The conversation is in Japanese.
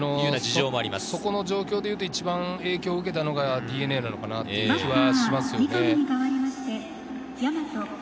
その状況でいうと一番影響を受けたのがＤｅＮＡなのかなという気はします。